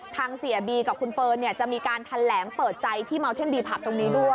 เสียบีกับคุณเฟิร์นจะมีการแถลงเปิดใจที่เมาเท่นบีผับตรงนี้ด้วย